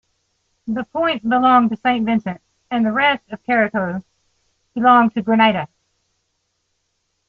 The Point belonged to Saint Vincent and the rest of Carriacou belonged to Grenada.